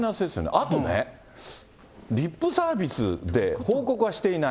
あとね、リップサービスで報告はしていない。